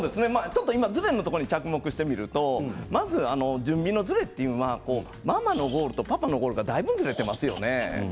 ずれのところに着目してみると準備のずれというのはママとパパのゴールがだいぶずれていますよね。